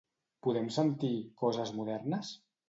Podem sentir "Coses modernes"?